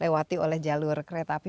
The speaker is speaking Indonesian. lewati oleh jalur kereta api